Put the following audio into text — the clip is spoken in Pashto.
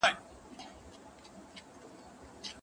د بل کس په لوڼو کي خير وي.